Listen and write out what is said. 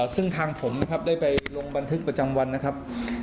ซึ่งทางผมนะครับได้ไปลงบันทึกประจำวันนะครับ